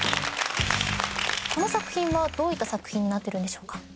この作品はどういった作品になってるんでしょうか？